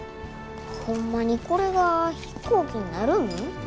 ホンマにこれが飛行機になるん？